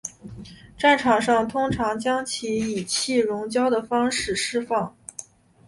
战场上通常将其以气溶胶的方式施放。